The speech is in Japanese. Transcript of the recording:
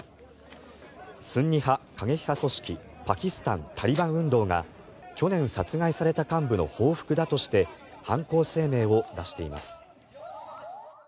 スンニ派過激派組織パキスタン・タリバン運動が去年、殺害された幹部の報復だとして犯行声明を出しています。